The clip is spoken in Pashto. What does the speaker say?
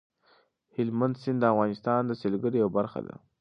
هلمند سیند د افغانستان د سیلګرۍ یوه برخه ده.